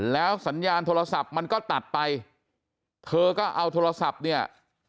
แล้วสัญญาณโทรศัพท์มันก็ตัดไปเธอก็เอาโทรศัพท์เนี่ย